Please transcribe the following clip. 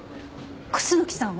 楠木さんを？